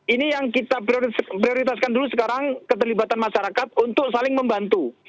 ini yang kita prioritaskan dulu sekarang keterlibatan masyarakat untuk saling membantu